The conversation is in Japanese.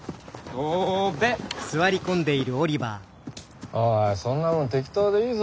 おいおいそんなもん適当でいいぞ。